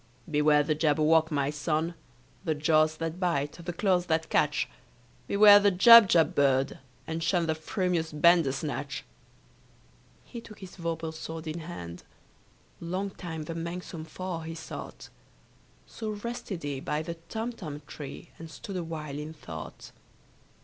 "Beware the Jabberwock, my son! The jaws that bite, the claws that catch! Beware the Jubjub bird, and shun The frumious Bandersnatch!" He took his vorpal sword in hand: Long time the manxome foe he sought. So rested he by the Tumtum tree, And stood awhile in thought.